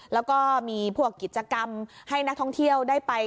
แล้วก็มีพวกกิจกรรมให้นักท่องเที่ยวได้ไป